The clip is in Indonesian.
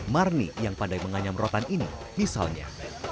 marni yang pandai menganyam rotan ini misalnya